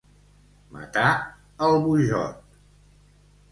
Matar el Bujot.